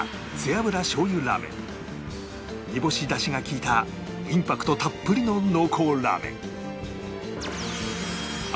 煮干しダシがきいたインパクトたっぷりの濃厚ラーメン